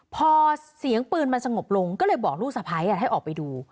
พอเสียงปืนมันสงบลงก็เลยบอกลูกสะพ้ายให้ออกไปดู